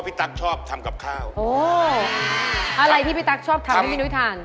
เป็นอะไรที่พี่ตั๊กชอบทำให้นุ้ยทาน